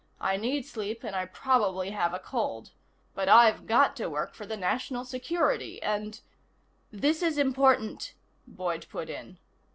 "I need sleep and I probably have a cold. But I've got to work for the national security, and " "This is important," Boyd put in.